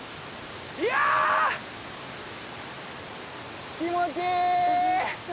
いや気持ちいい！